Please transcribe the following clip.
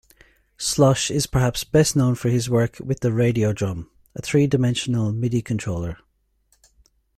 Schloss is perhaps best known for his work with the Radiodrum, a three-dimensional midi-controller.